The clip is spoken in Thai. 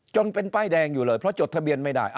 เป็นป้ายแดงอยู่เลยเพราะจดทะเบียนไม่ได้